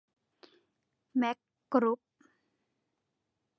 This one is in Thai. แม็คกรุ๊ป